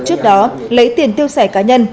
trước đó lấy tiền tiêu sẻ cá nhân